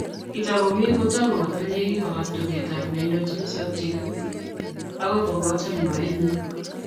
Kitakomi kotomo kotil ye kingogas tugetap neindochini sautik akoi kobotan moenyi